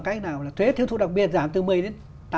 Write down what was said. cách nào thuế thiếu thuật đặc biệt giảm từ một mươi đến